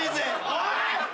おい！